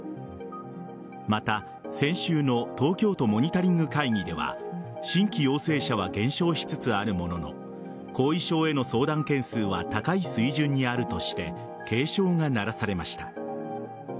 また、先週の東京都モニタリング会議では新規陽性者は減少しつつあるものの後遺症への相談件数は高い水準にあるとして警鐘が鳴らされました。